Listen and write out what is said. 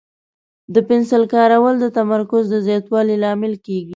د پنسل کارول د تمرکز د زیاتوالي لامل کېږي.